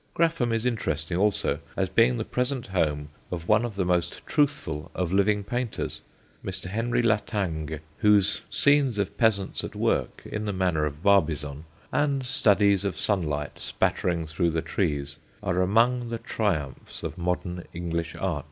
Graffham is interesting also as being the present home of one of the most truthful of living painters, Mr. Henry La Thangue, whose scenes of peasants at work (in the manner of Barbizon) and studies of sunlight spattering through the trees are among the triumphs of modern English art.